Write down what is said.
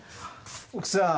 奥さん。